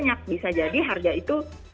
bisa jadi harga itu menjadi harga yang lebih murah